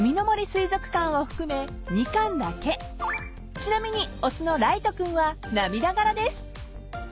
［ちなみに雄のライト君は涙柄です］